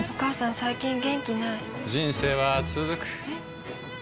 最近元気ない人生はつづくえ？